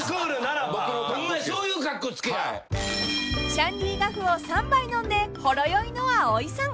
［シャンディガフを３杯飲んでほろ酔いの蒼井さん］